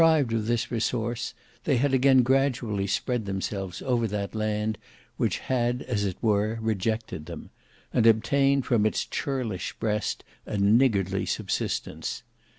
Deprived of this resource, they had again gradually spread themselves over that land which had as it were rejected them; and obtained from its churlish breast a niggardly subsistence.